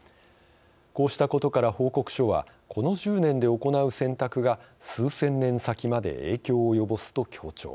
こうしたことから報告書はこの１０年で行う選択が数千年先まで影響を及ぼすと強調。